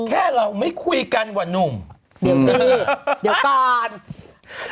แค่เราไม่คุยกันคุยกันเหมือนหนุ่ม